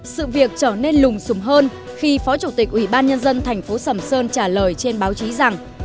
sự việc trở nên lùng xùm hơn khi phó chủ tịch ủy ban nhân dân tp sầm sơn trả lời trên báo chí rằng